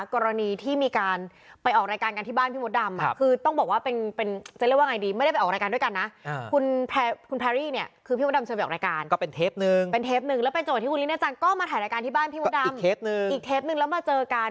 กรณีที่มีการไปออกรายการ